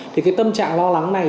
thì cái tâm trạng lo lắng này